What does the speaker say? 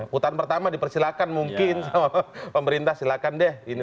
putaran pertama dipersilakan mungkin sama pemerintah silakan deh ini